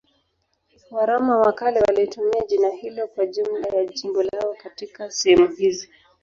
Waroma wa kale walitumia jina hilo kwa jumla ya jimbo lao katika sehemu hizi.